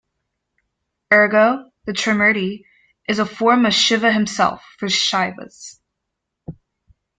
Ergo, the Trimurti is a form of Shiva Himself for Shaivas.